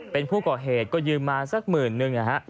เป็นผู้ก่อเหตุก็ยืมมาสักหมื่นนึงนะฮะ